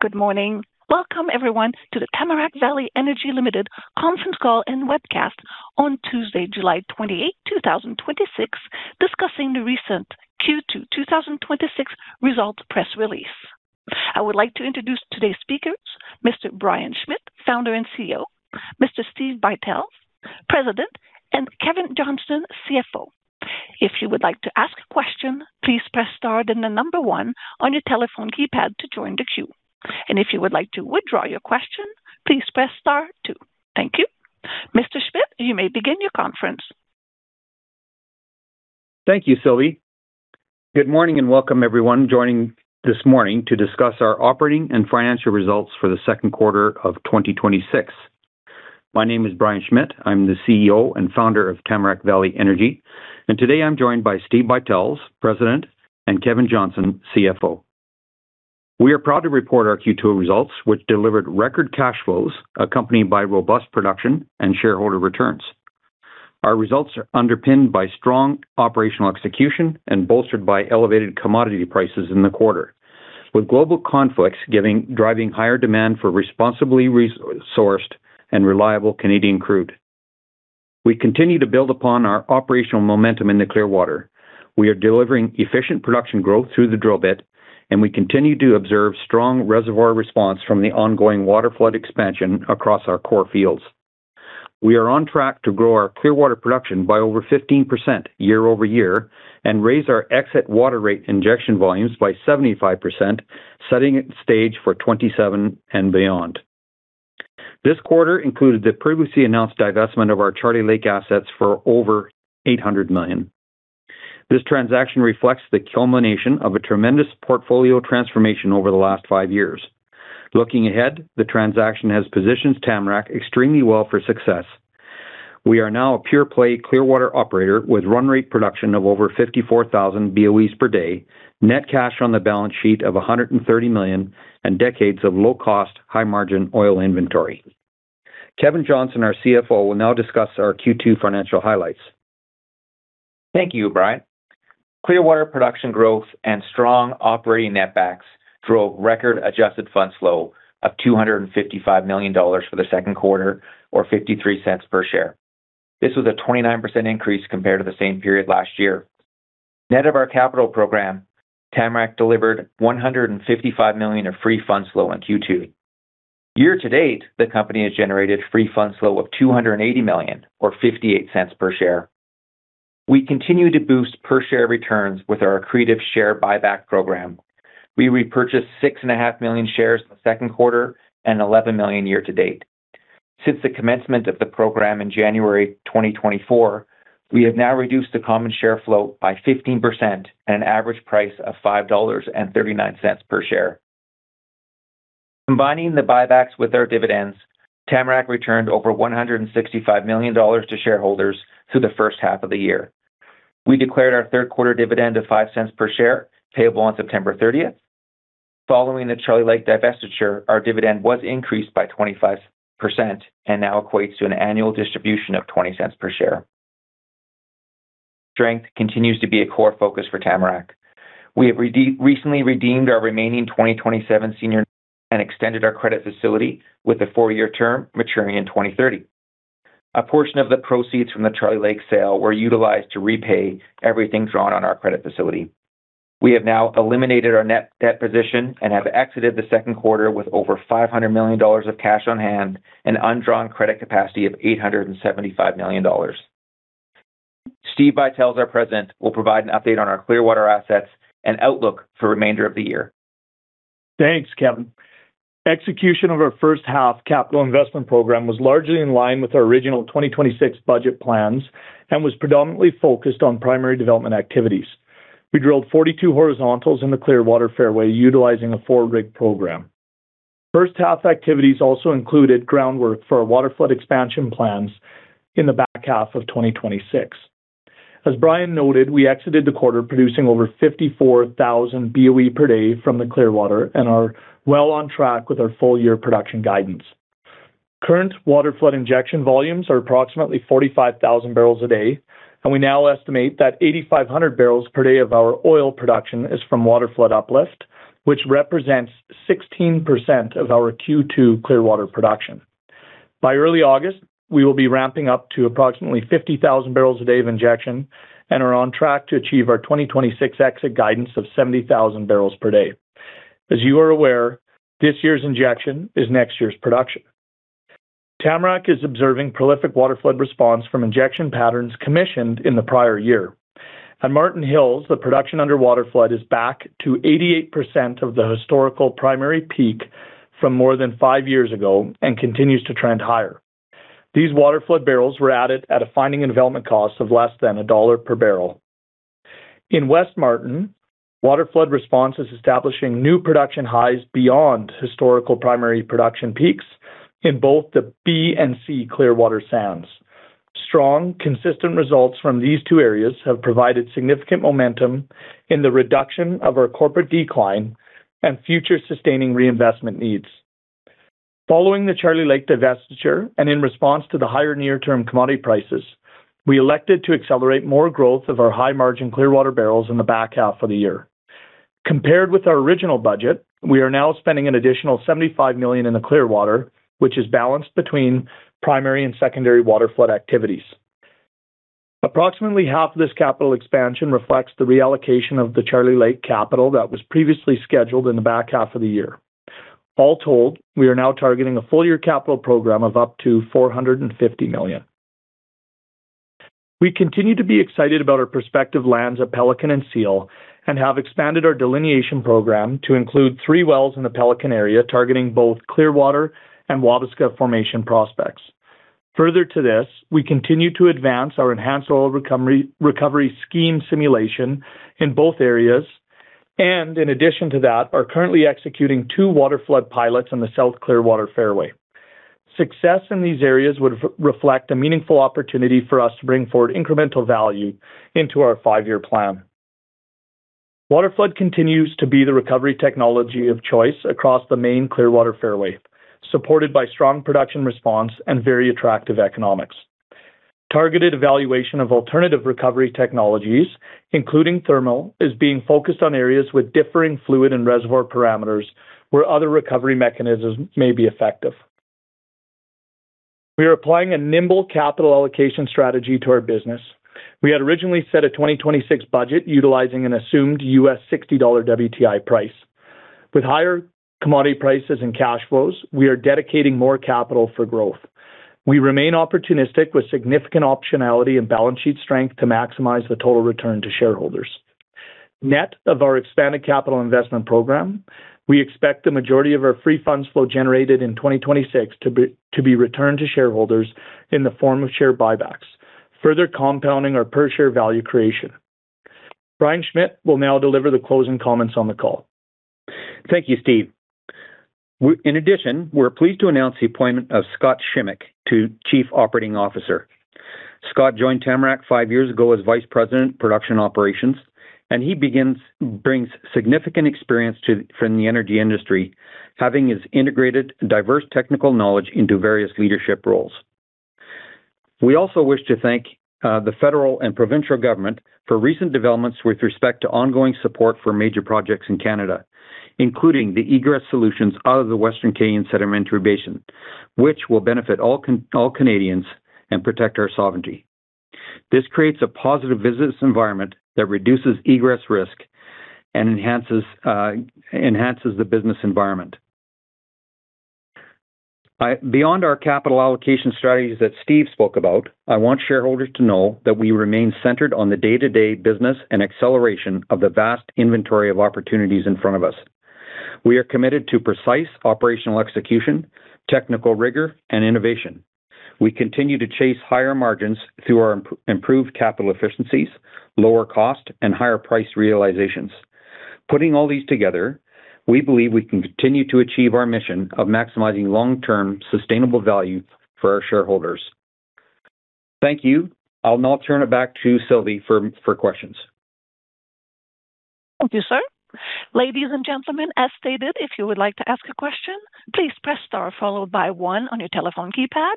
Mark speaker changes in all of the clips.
Speaker 1: Good morning. Welcome, everyone, to the Tamarack Valley Energy Ltd. conference call and webcast on Tuesday, July 28th, 2026, discussing the recent Q2 2026 results press release. I would like to introduce today's speakers, Mr. Brian Schmidt, Founder and Chief Executive Officer, Mr. Steve Buytels, President, and Kevin Johnson, Chief Financial Officer. If you would like to ask a question, please press star, then the number one on your telephone keypad to join the queue. If you would like to withdraw your question, please press star two. Thank you. Mr. Schmidt, you may begin your conference.
Speaker 2: Thank you, Sylvie. Good morning and welcome everyone joining this morning to discuss our operating and financial results for the second quarter of 2026. My name is Brian Schmidt. I am the Chief Executive Officer and Founder of Tamarack Valley Energy. Today I am joined by Steve Buytels, President, and Kevin Johnson, Chief Financial Officer. We are proud to report our Q2 results, which delivered record cash flows accompanied by robust production and shareholder returns. Our results are underpinned by strong operational execution and bolstered by elevated commodity prices in the quarter, with global conflicts driving higher demand for responsibly sourced and reliable Canadian crude. We continue to build upon our operational momentum in the Clearwater. We are delivering efficient production growth through the drill bit, and we continue to observe strong reservoir response from the ongoing waterflood expansion across our core fields. We are on track to grow our Clearwater production by over 15% year-over-year and raise our exit water rate injection volumes by 75%, setting the stage for 2027 and beyond. This quarter included the previously announced divestment of our Charlie Lake assets for over 800 million. This transaction reflects the culmination of a tremendous portfolio transformation over the last five years. Looking ahead, the transaction has positioned Tamarack extremely well for success. We are now a pure-play Clearwater operator with run rate production of over 54,000 BOEs per day, net cash on the balance sheet of 130 million, and decades of low-cost, high-margin oil inventory. Kevin Johnson, our Chief Financial Officer, will now discuss our Q2 financial highlights.
Speaker 3: Thank you, Brian. Clearwater production growth and strong operating netbacks drove record adjusted funds flow of 255 million dollars for the second quarter, or 0.53 per share. This was a 29% increase compared to the same period last year. Net of our capital program, Tamarack delivered 155 million of free funds flow in Q2. Year to date, the company has generated free funds flow of 280 million, or 0.58 per share. We continue to boost per-share returns with our accretive share buyback program. We repurchased 6.5 million shares in the second quarter and 11 million year to date. Since the commencement of the program in January 2024, we have now reduced the common share flow by 15% at an average price of 5.39 dollars per share. Combining the buybacks with our dividends, Tamarack returned over 165 million dollars to shareholders through the first half of the year. We declared our third quarter dividend of 0.05 per share, payable on September 30th. Following the Charlie Lake divestiture, our dividend was increased by 25% and now equates to an annual distribution of 0.20 per share. Strength continues to be a core focus for Tamarack. We have recently redeemed our remaining 2027 Notes and extended our credit facility with a four-year term maturing in 2030. A portion of the proceeds from the Charlie Lake sale were utilized to repay everything drawn on our credit facility. We have now eliminated our net debt position and have exited the second quarter with over 500 million dollars of cash on hand and undrawn credit capacity of 875 million dollars. Steve Buytels, our President, will provide an update on our Clearwater assets and outlook for remainder of the year.
Speaker 4: Thanks, Kevin. Execution of our first half capital investment program was largely in line with our original 2026 budget plans and was predominantly focused on primary development activities. We drilled 42 horizontals in the Clearwater fairway utilizing a four-rig program. First half activities also included groundwork for our waterflood expansion plans in the back half of 2026. As Brian noted, we exited the quarter producing over 54,000 BOE per day from the Clearwater and are well on track with our full-year production guidance. Current waterflood injection volumes are approximately 45,000 barrels a day, and we now estimate that 8,500 barrels per day of our oil production is from waterflood uplift, which represents 16% of our Q2 Clearwater production. By early August, we will be ramping up to approximately 50,000 barrels a day of injection and are on track to achieve our 2026 exit guidance of 70,000 barrels per day. As you are aware, this year's injection is next year's production. Tamarack is observing prolific waterflood response from injection patterns commissioned in the prior year. At Marten Hills, the production under waterflood is back to 88% of the historical primary peak from more than five years ago and continues to trend higher. These waterflood barrels were added at a finding and development cost of less than CAD 1 per barrel. In West Marten, waterflood response is establishing new production highs beyond historical primary production peaks in both the B and C Clearwater sands. Strong, consistent results from these two areas have provided significant momentum in the reduction of our corporate decline and future sustaining reinvestment needs. Following the Charlie Lake divestiture and in response to the higher near-term commodity prices, we elected to accelerate more growth of our high-margin Clearwater barrels in the back half of the year. Compared with our original budget, we are now spending an additional 75 million in the Clearwater, which is balanced between primary and secondary waterflood activities. Approximately half of this capital expansion reflects the reallocation of the Charlie Lake capital that was previously scheduled in the back half of the year. All told, we are now targeting a full-year capital program of up to 450 million. We continue to be excited about our prospective lands at Pelican and Seal and have expanded our delineation program to include three wells in the Pelican area, targeting both Clearwater and Wabasca formation prospects. Further to this, we continue to advance our enhanced oil recovery scheme simulation in both areas and, in addition to that, are currently executing two waterflood pilots on the South Clearwater Fairway. Success in these areas would reflect a meaningful opportunity for us to bring forward incremental value into our five-year plan. Waterflood continues to be the recovery technology of choice across the main Clearwater Fairway, supported by strong production response and very attractive economics. Targeted evaluation of alternative recovery technologies, including thermal, is being focused on areas with differing fluid and reservoir parameters where other recovery mechanisms may be effective. We are applying a nimble capital allocation strategy to our business. We had originally set a 2026 budget utilizing an assumed US $60 WTI price. With higher commodity prices and cash flows, we are dedicating more capital for growth. We remain opportunistic with significant optionality and balance sheet strength to maximize the total return to shareholders. Net of our expanded capital investment program, we expect the majority of our free funds flow generated in 2026 to be returned to shareholders in the form of share buybacks, further compounding our per-share value creation. Brian Schmidt will now deliver the closing comments on the call.
Speaker 2: Thank you, Steve. In addition, we're pleased to announce the appointment of Scott Shimek to Chief Operating Officer. Scott joined Tamarack five years ago as Vice President, Production Operations. He brings significant experience from the energy industry, having his integrated diverse technical knowledge into various leadership roles. We also wish to thank the federal and provincial government for recent developments with respect to ongoing support for major projects in Canada, including the egress solutions out of the Western Canadian Sedimentary Basin, which will benefit all Canadians and protect our sovereignty. This creates a positive business environment that reduces egress risk and enhances the business environment. Beyond our capital allocation strategies that Steve spoke about, I want shareholders to know that we remain centered on the day-to-day business and acceleration of the vast inventory of opportunities in front of us. We are committed to precise operational execution, technical rigor, and innovation. We continue to chase higher margins through our improved capital efficiencies, lower cost, and higher price realizations. Putting all these together, we believe we can continue to achieve our mission of maximizing long-term sustainable value for our shareholders. Thank you. I'll now turn it back to Sylvie for questions.
Speaker 1: Thank you, sir. Ladies and gentlemen, as stated, if you would like to ask a question, please press star followed by one on your telephone keypad.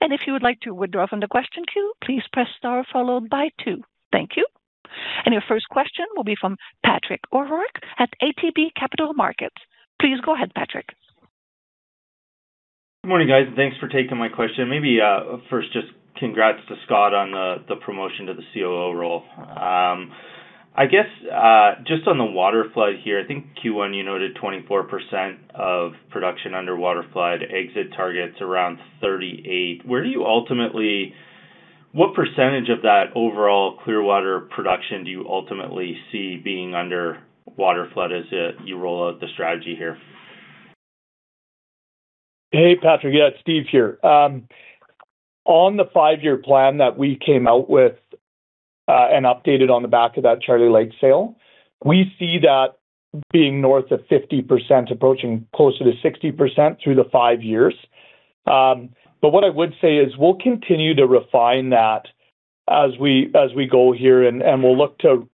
Speaker 1: If you would like to withdraw from the question queue, please press star followed by two. Thank you. Your first question will be from Patrick O'Rourke at ATB Capital Markets. Please go ahead, Patrick.
Speaker 5: Good morning, guys. Thanks for taking my question. Maybe first, just congrats to Scott on the promotion to the Chief Operating Officer role. I guess just on the waterflood here, I think Q1 you noted 24% of production under waterflood exit targets around 38%. What percentage of that overall Clearwater production do you ultimately see being under waterflood as you roll out the strategy here?
Speaker 4: Hey, Patrick. Yeah, it's Steve here. On the five-year plan that we came out with and updated on the back of that Charlie Lake sale, we see that being north of 50%, approaching closer to 60% through the five years. What I would say is we'll continue to refine that as we go here, and we'll look to,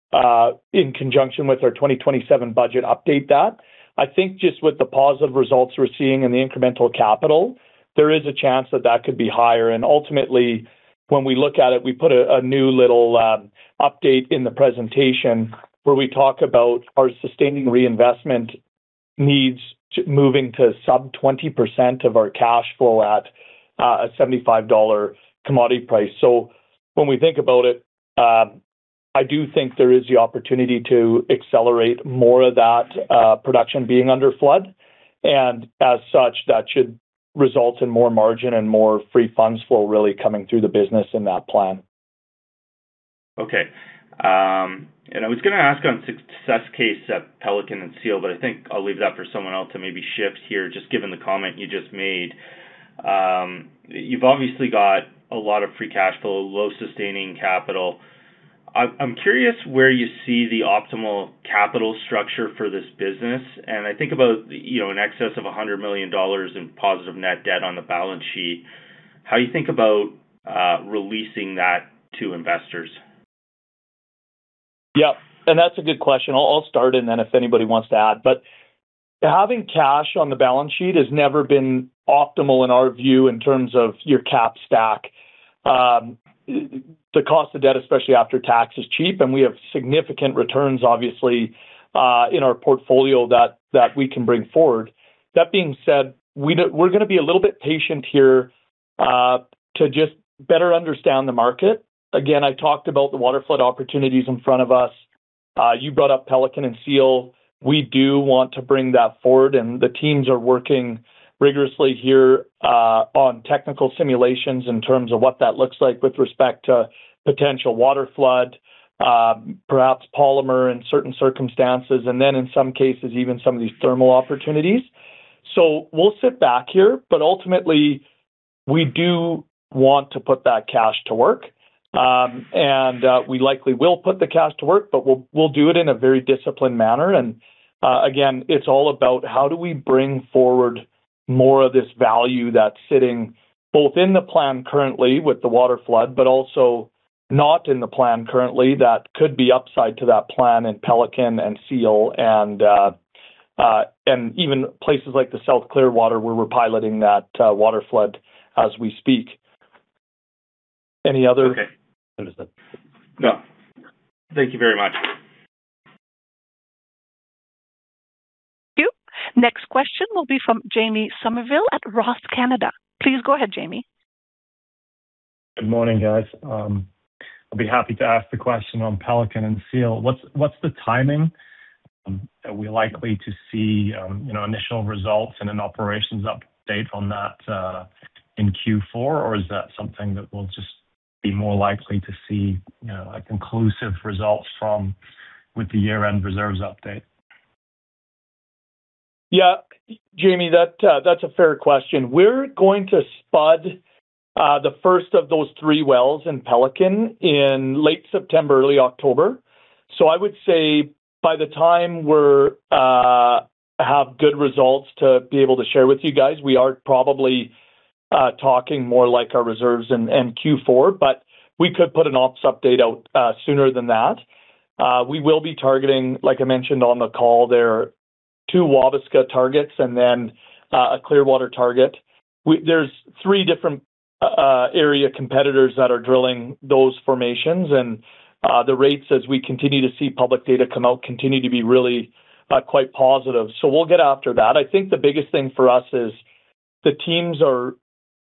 Speaker 4: in conjunction with our 2027 budget, update that. I think just with the positive results we're seeing in the incremental capital, there is a chance that that could be higher, and ultimately when we look at it, we put a new little update in the presentation where we talk about our sustaining reinvestment needs moving to sub 20% of our cash flow at a 75 dollar commodity price. When we think about it, I do think there is the opportunity to accelerate more of that production being under flood, and as such, that should result in more margin and more free funds flow really coming through the business in that plan.
Speaker 5: Okay. I was going to ask on success case at Pelican and Seal, but I think I'll leave that for someone else to maybe shift here, just given the comment you just made. You've obviously got a lot of free cash flow, low sustaining capital. I'm curious where you see the optimal capital structure for this business, and I think about in excess of 100 million dollars in positive net debt on the balance sheet, how you think about releasing that to investors?
Speaker 4: That's a good question. I'll start, and then if anybody wants to add. Having cash on the balance sheet has never been optimal in our view in terms of your cap stack. The cost of debt, especially after tax, is cheap, and we have significant returns, obviously, in our portfolio that we can bring forward. That being said, we're going to be a little bit patient here to just better understand the market. Again, I talked about the waterflood opportunities in front of us. You brought up Pelican and Seal. We do want to bring that forward, and the teams are working rigorously here on technical simulations in terms of what that looks like with respect to potential waterflood, perhaps polymer in certain circumstances, and then in some cases, even some of these thermal opportunities. We'll sit back here, but ultimately, we do want to put that cash to work. We likely will put the cash to work, but we'll do it in a very disciplined manner. Again, it's all about how do we bring forward more of this value that's sitting both in the plan currently with the waterflood, but also not in the plan currently that could be upside to that plan in Pelican and Seal and even places like the South Clearwater, where we're piloting that waterflood as we speak. Any other-
Speaker 5: Okay. Understood. No. Thank you very much.
Speaker 1: Thank you. Next question will be from Jamie Somerville at Roth Canada. Please go ahead, Jamie.
Speaker 6: Good morning, guys. I will be happy to ask the question on Pelican and Seal. What is the timing? Are we likely to see initial results and an operations update on that in Q4, or is that something that we will just be more likely to see conclusive results from with the year-end reserves update?
Speaker 4: Yeah, Jamie, that is a fair question. We are going to spud the first of those three wells in Pelican in late September, early October. I would say by the time we have good results to be able to share with you guys, we are probably talking more like our reserves in Q4. We could put an ops update out sooner than that. We will be targeting, like I mentioned on the call there, two Wabasca targets and then a Clearwater target. There are three different area competitors that are drilling those formations, and the rates, as we continue to see public data come out, continue to be really quite positive. We will get after that. I think the biggest thing for us is the teams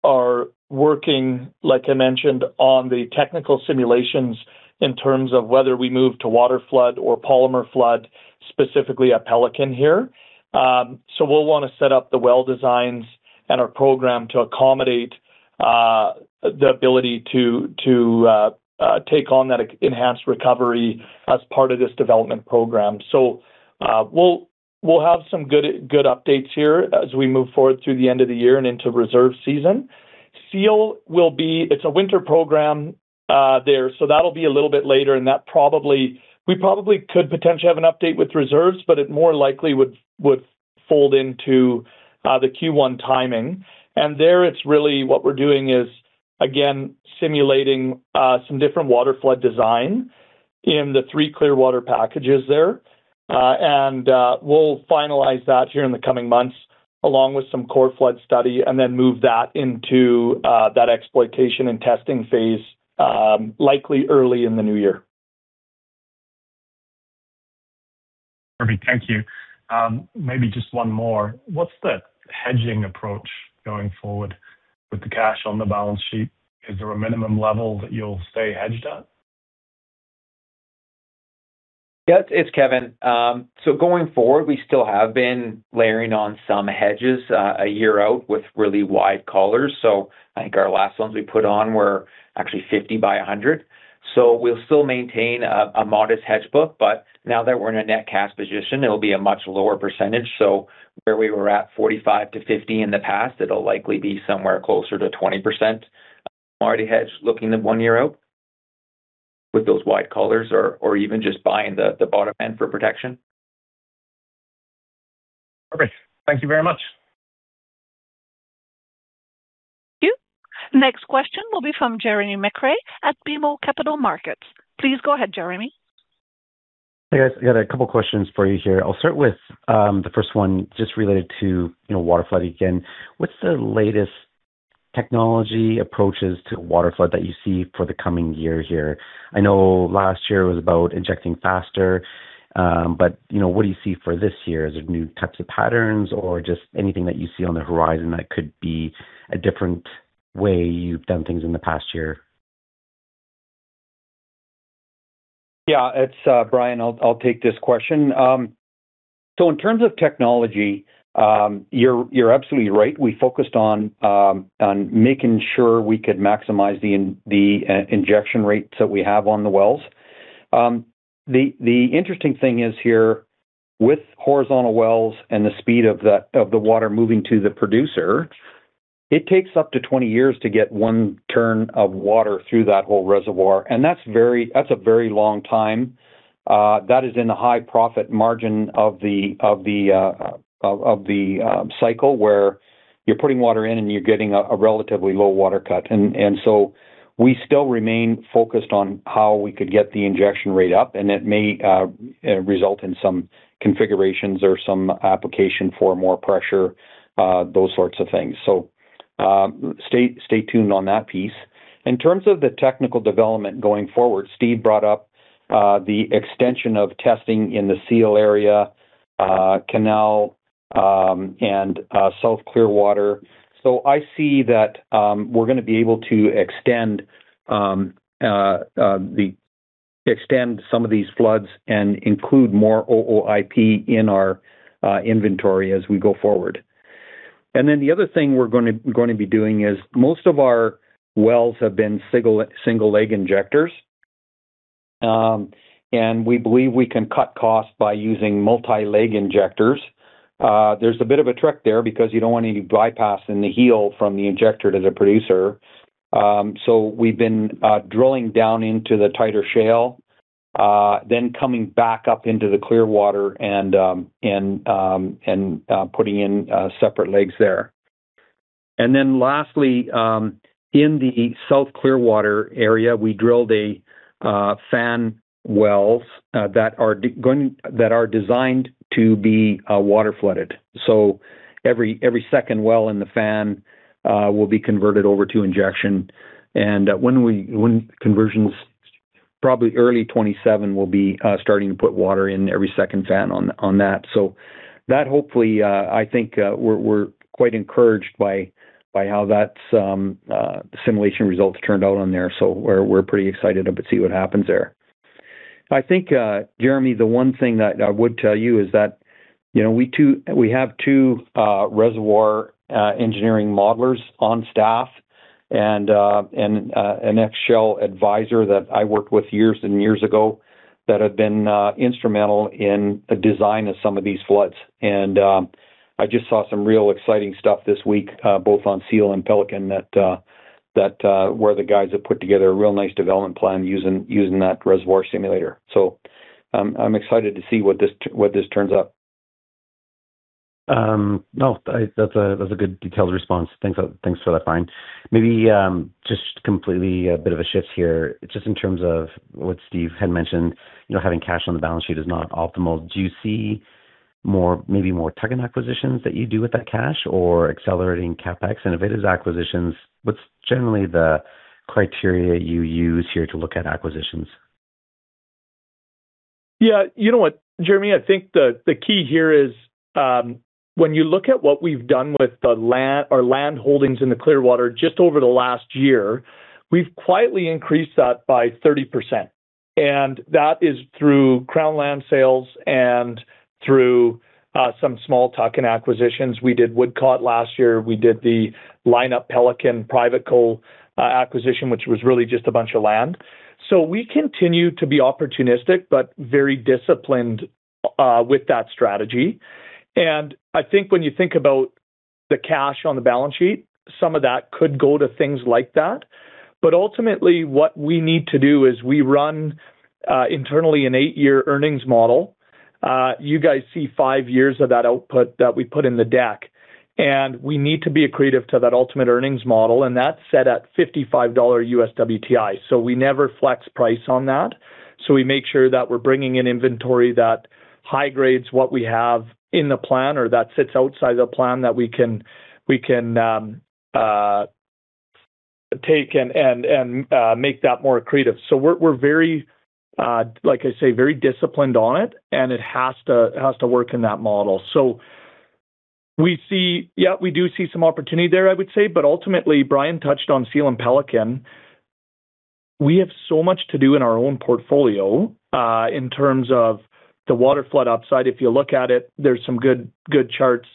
Speaker 4: are working, like I mentioned, on the technical simulations in terms of whether we move to waterflood or polymer flood, specifically at Pelican here. We will want to set up the well designs and our program to accommodate the ability to take on that enhanced recovery as part of this development program. We will have some good updates here as we move forward through the end of the year and into reserve season. Seal, it is a winter program there, that will be a little bit later, and we probably could potentially have an update with reserves, but it more likely would fold into the Q1 timing. There, it is really what we are doing is, again, simulating some different waterflood design in the three Clearwater packages there. We will finalize that here in the coming months, along with some core flood study, and then move that into that exploitation and testing phase, likely early in the new year.
Speaker 6: Perfect. Thank you. Maybe just one more. What's the hedging approach going forward with the cash on the balance sheet? Is there a minimum level that you'll stay hedged at?
Speaker 3: Yes, it's Kevin. Going forward, we still have been layering on some hedges a year out with really wide collars. I think our last ones we put on were actually 50 by 100. We'll still maintain a modest hedge book, but now that we're in a net cash position, it'll be a much lower percentage. Where we were at 45%-50% in the past, it'll likely be somewhere closer to 20%. Already hedged looking at one year out with those wide collars or even just buying the bottom end for protection.
Speaker 6: Perfect. Thank you very much.
Speaker 1: Thank you. Next question will be from Jeremy McCrea at BMO Capital Markets. Please go ahead, Jeremy.
Speaker 7: Hey, guys, I got a couple questions for you here. I'll start with the first one just related to waterflood again. What's the latest technology approaches to waterflood that you see for the coming year here? I know last year was about injecting faster, but what do you see for this year? Is it new types of patterns or just anything that you see on the horizon that could be a different way you've done things in the past year?
Speaker 2: Yeah, it's Brian. I'll take this question. In terms of technology, you're absolutely right. We focused on making sure we could maximize the injection rates that we have on the wells. The interesting thing is here, with horizontal wells and the speed of the water moving to the producer It takes up to 20 years to get one turn of water through that whole reservoir, that's a very long time. That is in the high profit margin of the cycle where you're putting water in and you're getting a relatively low water cut. We still remain focused on how we could get the injection rate up, and it may result in some configurations or some application for more pressure, those sorts of things. Stay tuned on that piece. In terms of the technical development going forward, Steve brought up the extension of testing in the Seal area, Canal, and South Clearwater. I see that we're going to be able to extend some of these floods and include more OOIP in our inventory as we go forward. The other thing we're going to be doing is most of our wells have been single leg injectors, and we believe we can cut costs by using multi-leg injectors. There's a bit of a trick there because you don't want any bypass in the heel from the injector to the producer. We've been drilling down into the tighter shale, then coming back up into the Clearwater and putting in separate legs there. Lastly, in the South Clearwater area, we drilled a fan wells that are designed to be water flooded. Every second well in the fan will be converted over to injection, and when conversions, probably early 2027, we'll be starting to put water in every second fan on that. That hopefully, I think we're quite encouraged by how that simulation results turned out on there. We're pretty excited to see what happens there. I think, Jeremy, the one thing that I would tell you is that we have two reservoir engineering modelers on staff, and an ex-Shell advisor that I worked with years and years ago that have been instrumental in the design of some of these floods. I just saw some real exciting stuff this week, both on Seal and Pelican that where the guys have put together a real nice development plan using that reservoir simulator. I'm excited to see what this turns up.
Speaker 7: No, that's a good detailed response. Thanks for that, Brian. Maybe just completely a bit of a shift here, just in terms of what Steve had mentioned, having cash on the balance sheet is not optimal. Do you see maybe more tuck-in acquisitions that you do with that cash or accelerating CapEx? If it is acquisitions, what's generally the criteria you use here to look at acquisitions?
Speaker 4: Yeah. You know what, Jeremy, I think the key here is, when you look at what we've done with our land holdings in the Clearwater, just over the last year, we've quietly increased that by 30%. That is through Crown land sales and through some small tuck-in acquisitions. We did Woodcote last year. We did the Lineup Pelican PrivateCo acquisition, which was really just a bunch of land. We continue to be opportunistic, but very disciplined with that strategy. I think when you think about the cash on the balance sheet, some of that could go to things like that. Ultimately, what we need to do is we run internally an eight-year earnings model. You guys see five years of that output that we put in the deck, we need to be accretive to that ultimate earnings model, that's set at $55 US WTI. We never flex price on that. We make sure that we're bringing in inventory that high grades what we have in the plan or that sits outside the plan that we can take and make that more accretive. We're very, like I say, very disciplined on it, and it has to work in that model. We do see some opportunity there, I would say, but ultimately, Brian touched on Seal and Pelican. We have so much to do in our own portfolio, in terms of the waterflood upside. If you look at it, there's some good charts.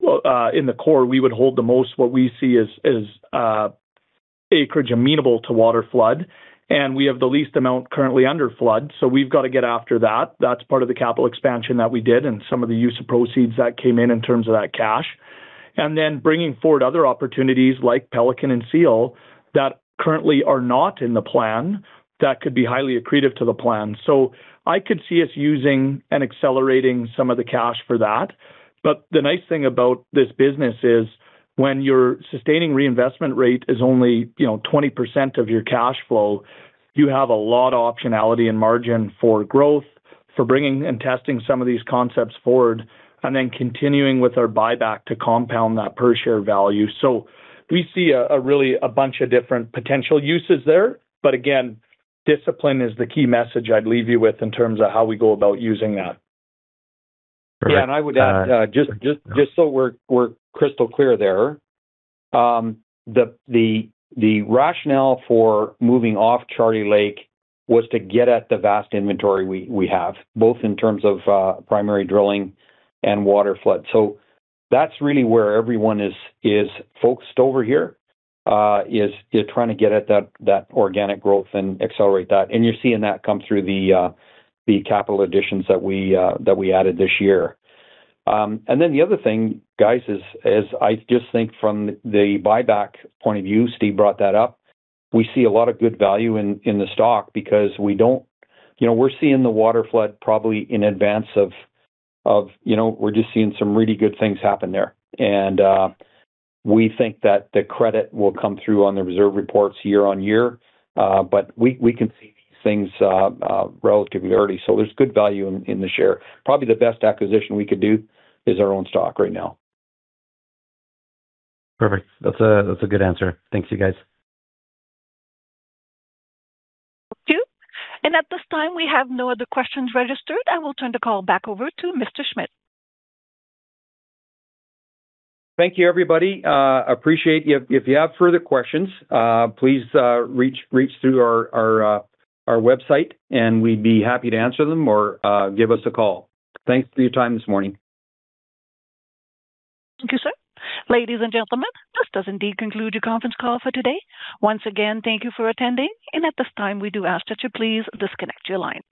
Speaker 4: In the core, we would hold the most what we see as acreage amenable to waterflood, and we have the least amount currently under flood. We've got to get after that. That's part of the capital expansion that we did and some of the use of proceeds that came in in terms of that cash. Bringing forward other opportunities like Pelican and Seal that currently are not in the plan, that could be highly accretive to the plan. I could see us using and accelerating some of the cash for that. The nice thing about this business is when your sustaining reinvestment rate is only 20% of your cash flow, you have a lot of optionality and margin for growth, for bringing and testing some of these concepts forward, and then continuing with our buyback to compound that per-share value. We see a bunch of different potential uses there. Again, discipline is the key message I'd leave you with in terms of how we go about using that.
Speaker 2: I would add, just so we're crystal clear there. The rationale for moving off Charlie Lake was to get at the vast inventory we have, both in terms of primary drilling and waterflood. That's really where everyone is focused over here, is trying to get at that organic growth and accelerate that. You're seeing that come through the capital additions that we added this year. The other thing, guys, is I just think from the buyback point of view, Steve brought that up. We see a lot of good value in the stock because we're seeing the waterflood probably in advance of. We're just seeing some really good things happen there. We think that the credit will come through on the reserve reports year on year. We can see things relatively early. There's good value in the share. Probably the best acquisition we could do is our own stock right now.
Speaker 7: Perfect. That's a good answer. Thank you, guys.
Speaker 1: Thank you. At this time, we have no other questions registered. I will turn the call back over to Mr. Schmidt.
Speaker 2: Thank you, everybody. Appreciate you. If you have further questions, please reach through our website, and we'd be happy to answer them or give us a call. Thanks for your time this morning.
Speaker 1: Thank you, sir. Ladies and gentlemen, this does indeed conclude your conference call for today. Once again, thank you for attending. At this time, we do ask that you please disconnect your lines.